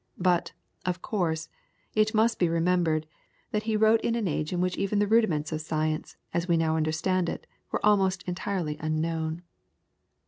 But, of course, it must be remembered that he wrote in an age in which even the rudiments of science, as we now understand it, were almost entirely unknown.